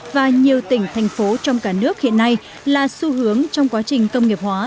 và nhiều tỉnh thành phố trong cả nước hiện nay là xu hướng trong quá trình công nghiệp hóa đô thị hóa